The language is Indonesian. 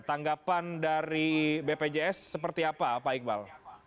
tanggapan dari bpjs seperti apa pak iqbal